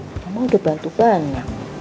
mama udah bantu banyak